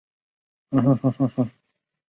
虽然最终结果会是正确的